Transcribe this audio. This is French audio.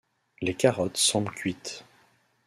Les carottes semblent cuites.